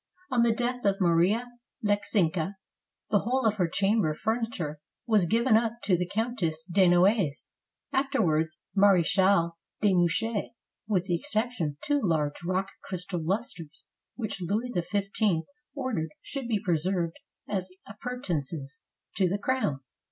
On the death of Maria Leckzinska, the whole of her chamber furniture was given up to the Countess de No ailjes, afterwards Marechale de Mouchy, with the excep tion of two large rock crystal lusters, which Louis XV ordered should be preserved as appurtenances to the crown.